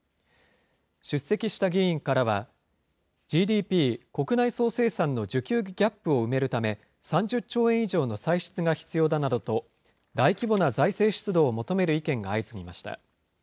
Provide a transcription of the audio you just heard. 出席した議員からは、ＧＤＰ・国内総生産の需給ギャップを埋めるため、３０兆円以上の歳出が必要だなどと、大規模な財政出動を求める意見が相次ぎました。